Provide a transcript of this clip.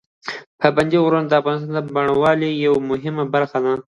پابندي غرونه د افغانستان د بڼوالۍ یوه مهمه برخه ده.